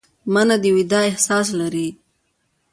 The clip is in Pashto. منی د وداع احساس لري